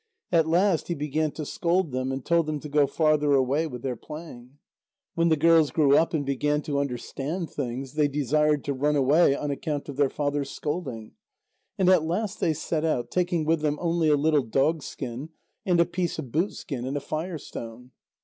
At last he began to scold them, and told them to go farther away with their playing. When the girls grew up, and began to understand things, they desired to run away on account of their father's scolding. And at last they set out, taking with them only a little dogskin, and a piece of boot skin, and a fire stone.